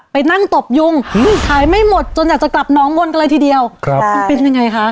ไปนั่งตบยุงขายไม่หมดจนอยากจะกลับน้องบนกันเลยทีเดียวครับคุณปินยังไงคะ